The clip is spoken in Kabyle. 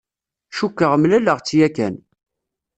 Cukkeɣ mlaleɣ-tt yakan.